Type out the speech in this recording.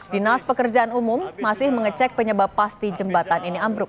dinas pekerjaan umum masih mengecek penyebab pasti jembatan ini ambruk